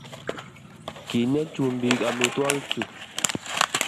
Kinyei chumbik amitwogikchu